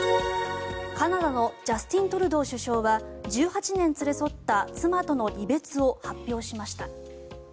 カナダのジャスティン・トルドー首相は１８年連れ添った妻との離別を発表しました。